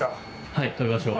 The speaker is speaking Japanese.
はい食べましょう。